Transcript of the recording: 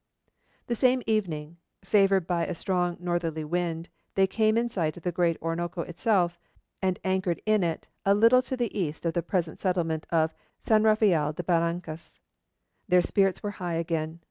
The same evening, favoured by a strong northerly wind, they came in sight of the great Orinoco itself, and anchored in it a little to the east of the present settlement of San Rafael de Barrancas. Their spirits were high again.